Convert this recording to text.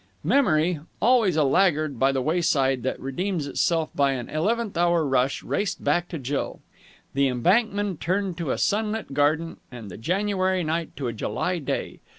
Memory, always a laggard by the wayside that redeems itself by an eleventh hour rush, raced back to Jill. The Embankment turned to a sun lit garden, and the January night to a July day.